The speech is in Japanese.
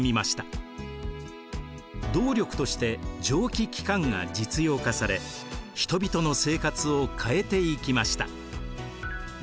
動力として蒸気機関が実用化され人々の生活を変えていきました。